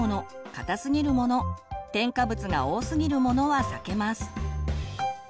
硬すぎるもの添加物が多すぎるものは避けます。